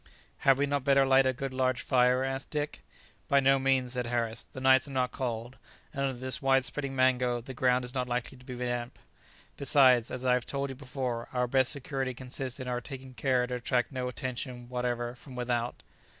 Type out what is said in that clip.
"Had we not better light a good large fire?" asked Dick. "By no means," said Harris; "the nights are not cold, and under this wide spreading mango the ground is not likely to be damp. Besides, as I have told you before, our best security consists in our taking care to attract no attention whatever from without."